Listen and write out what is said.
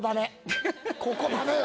ここダメよ。